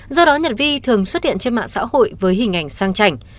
do đó nhật vi thường xuất hiện trên mạng xã hội với hình ảnh sang chảnh